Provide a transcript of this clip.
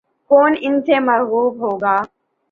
کون ان سے مرعوب ہوگا۔